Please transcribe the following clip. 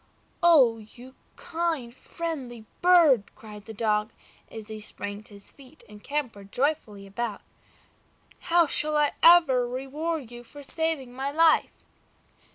"Oh! you kind, friendly bird!" cried the Dog, as he sprang to his feet and capered joyfully about. "How shall I ever reward you for saving my life?"